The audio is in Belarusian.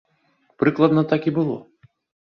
Прыкладна так і было.